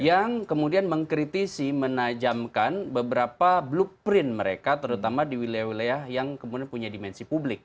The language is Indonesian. yang kemudian mengkritisi menajamkan beberapa blueprint mereka terutama di wilayah wilayah yang kemudian punya dimensi publik